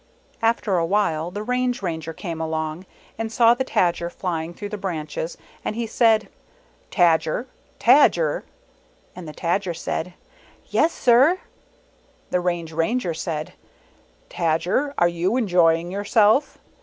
After a while, the Range Ranger came along, and saw the Tadger flying through the branches ; and he said, "Tadger! Tajer!" And the Tajer said, " Yes, sir I " The Range Ranger said, " Tadger, are you enjoy ing yourself?"